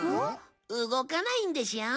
動かないんでしょ？